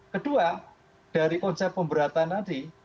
kedua dari konsep pemberatan tadi